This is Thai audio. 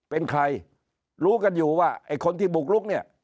เป็นใครรู้กันอยู่ว่าไอ้คนที่บุกลุกเนี่ย